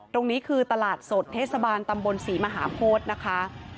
ตรงนี้คือตลาดสดเทศบาลตำบลศรีมหาโพธินะคะ